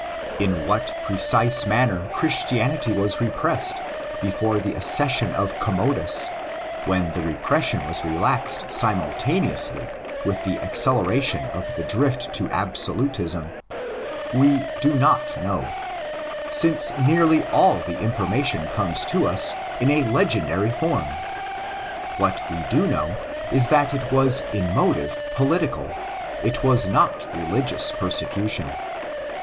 In what precise manner Christianity was repressed before the acces sion of Commodus—when the repression was relaxed simultaneously with the acceleration of the drift to absolutism—we do not know; since nearly all the information comes to us in a legendary form. What we do know is that 1¢ was in motive political; it was not religious persecution.